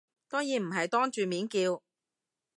當然唔係當住面叫